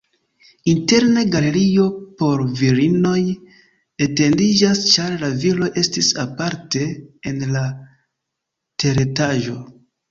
Interne galerio por virinoj etendiĝas, ĉar la viroj estis aparte en la teretaĝo.